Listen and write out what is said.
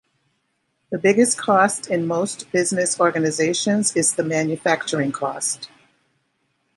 The biggest cost in most business organizations is the manufacturing cost.